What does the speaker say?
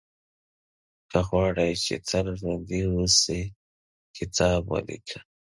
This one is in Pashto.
• که غواړې چې تل ژوندی اوسې، کتاب ولیکه.